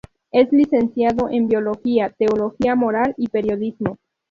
Es licenciado en Biología, Teología Moral y Periodismo.